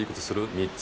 「３つ」。